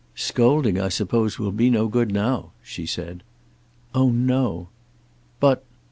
"Scolding I suppose will be no good now," she said. "Oh no!" "But